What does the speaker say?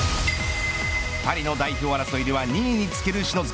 パリの代表争いでは２位につける篠塚。